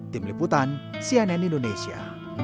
tim liputan cnn indonesia